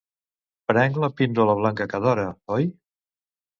Prenc la píndola blanca cada hora, oi?